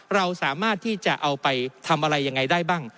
เราสามารถที่จะเอาไปทำอะไรยังไงได้บ้าง